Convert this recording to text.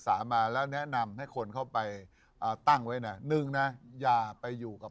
คิกคิกคิกคิกคิกคิกคิกคิกคิกคิกคิกคิก